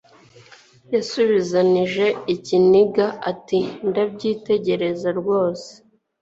yasubizanije ikiniga ati: Ndabyitegereza rwose.